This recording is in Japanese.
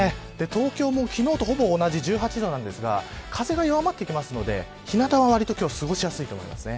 東京も昨日とほぼ同じ１８度ですが風が弱まってくるので日なたは過ごしやすいと思います。